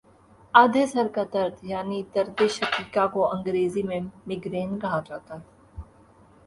آدھے سر کا درد یعنی دردِ شقیقہ کو انگریزی میں مائیگرین کہا جاتا ہے